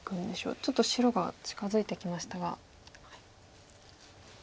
ちょっと白が近づいてきましたが。